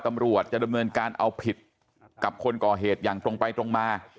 ตำรวจจะดำเนินการเอาผิดกับคนก่อเหตุอย่างตรงไปตรงมา